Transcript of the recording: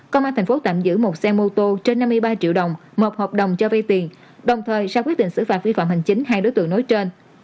công an thành phố tạm giữ một xe mô tô trên năm mươi ba triệu đồng một hợp đồng cho vay tiền đồng thời sẽ quyết định xử phạt vi phạm hành chính hai đối tượng nối trên